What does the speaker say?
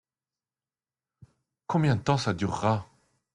Combien de temps ça durera ?